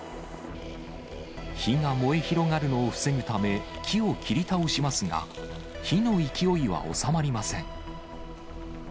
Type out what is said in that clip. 火が燃え広がるのを防ぐため、木を切り倒しますが、火の勢いは収まりません。